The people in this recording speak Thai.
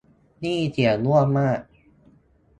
นี่เขียนมั่วมาก